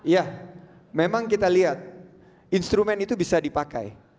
ya memang kita lihat instrumen itu bisa dipakai